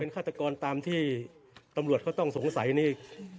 ฆาตกรตามที่ตำรวจเขาต้องสงสัยนี่